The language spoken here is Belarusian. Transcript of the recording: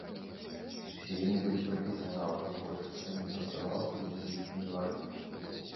Усе яны былі прафесіяналамі, большасць раней працавала пры нясвіжскім двары.